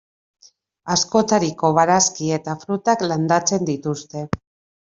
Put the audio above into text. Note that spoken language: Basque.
Askotariko barazki eta frutak landatzen dituzte.